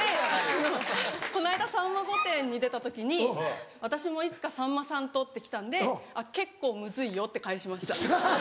この間『さんま御殿‼』に出た時に「私もいつかさんまさんと」って来たんで「結構むずいよ」って返しました。